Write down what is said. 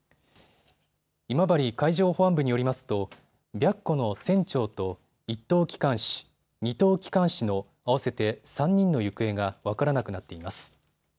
今治海上保安部によりますと白虎の船長と１等機関士、２等機関士の合わせて３人の行方が分からなくなっています。